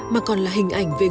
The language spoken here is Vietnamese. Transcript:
mà còn là hình ảnh về người hùng